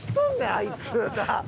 あいつ！なあ？